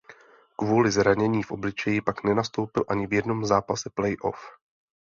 Kvůli zranění v obličeji pak nenastoupil ani v jednom zápase playoff.